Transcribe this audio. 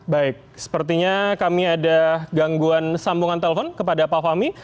baik sepertinya kami ada gangguan sambungan telepon kepada pak fahmi